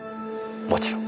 もちろん。